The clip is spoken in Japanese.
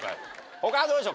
他どうでしょう？